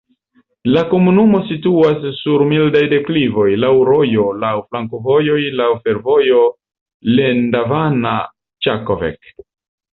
La komunumo situas sur mildaj deklivoj, laŭ rojo, laŭ flankovojoj, laŭ fervojo Lendava-Ĉakovec.